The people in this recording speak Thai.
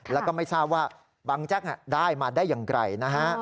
แล้วก็ไม่ทราบว่าบังแจ๊กได้มาได้อย่างไรนะฮะ